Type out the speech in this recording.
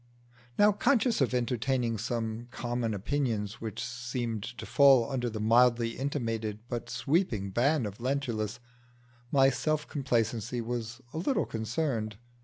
Now, conscious of entertaining some common opinions which seemed to fall under the mildly intimated but sweeping ban of Lentulus, my self complacency was a little concerned.